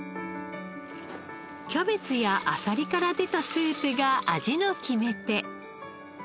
キャベツやアサリから出たスープが味の決め手。